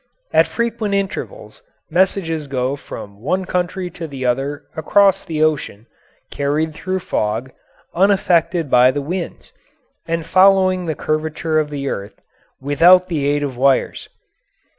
At frequent intervals messages go from one country to the other across the ocean, carried through fog, unaffected by the winds, and following the curvature of the earth, without the aid of wires.